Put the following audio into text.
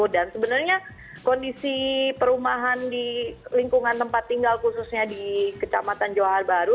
dan sebenarnya kondisi perumahan di lingkungan tempat tinggal khususnya di kecamatan johar baru